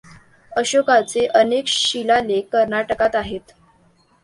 अशोकाचे अनेक शिलालेख कर्नाटकात आहेत.